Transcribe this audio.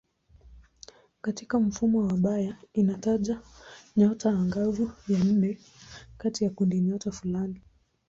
Katika mfumo wa Bayer inataja nyota angavu ya nne katika kundinyota fulani.